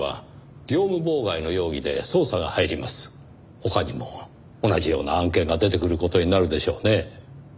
他にも同じような案件が出てくる事になるでしょうね。